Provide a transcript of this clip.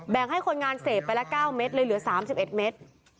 ให้คนงานเสพไปละ๙เม็ดเลยเหลือ๓๑เมตร